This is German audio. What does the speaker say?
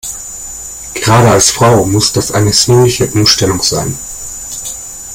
Gerade als Frau muss das eine ziemliche Umstellung sein.